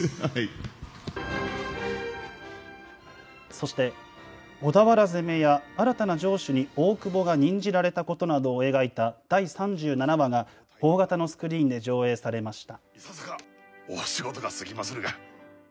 そして小田原攻めや新たな城主に大久保が任じられたことなどを描いた第３７話が大型のスクリーンで上映されました。